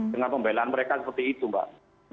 dengan pembelaan mereka seperti itu mbak